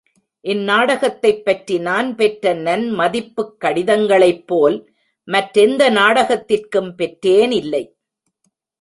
இந்நாடகத்தைப் பற்றி நான் பெற்ற நன்மதிப்புக் கடிதங்களைப்போல் மற்றெந்த நாடகத்திற்கும் பெற்றேனில்லை.